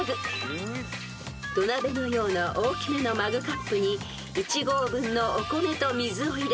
［土鍋のような大きめのマグカップに１合分のお米と水を入れしっかり浸水］